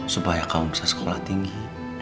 supaya kamu bisa sekolah tinggi